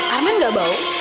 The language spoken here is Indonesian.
arman gak bau